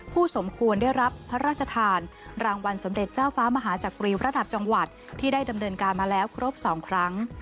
สมควรได้รับพระราชทานรางวัลสมเด็จเจ้าฟ้ามหาจักรีระดับจังหวัดที่ได้ดำเนินการมาแล้วครบ๒ครั้ง